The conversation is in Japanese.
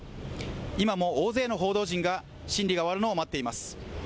今も大勢の報道陣が審理が終わるのを待っています